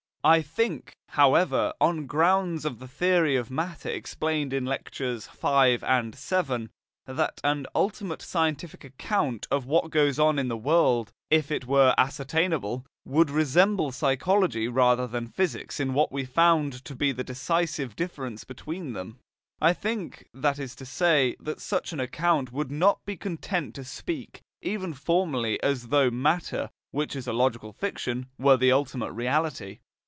I think, however, on grounds of the theory of matter explained in Lectures V and VII, that an ultimate scientific account of what goes on in the world, if it were ascertainable, would resemble psychology rather than physics in what we found to be the decisive difference between them. I think, that is to say, that such an account would not be content to speak, even formally, as though matter, which is a logical fiction, were the ultimate reality.